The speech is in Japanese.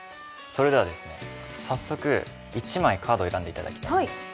それでは早速、１枚カードを選んでいただきたいんです。